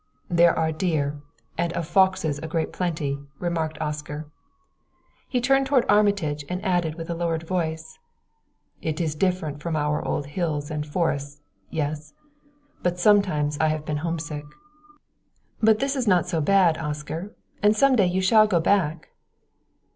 "There are deer, and of foxes a great plenty," remarked Oscar. He turned toward Armitage and added with lowered voice: "It is different from our old hills and forests yes? but sometimes I have been homesick." "But this is not so bad, Oscar; and some day you shall go back!"